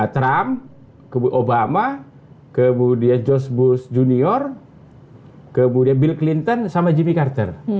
trump obama kemudian george bush junior kemudian bill clinton sama gp carter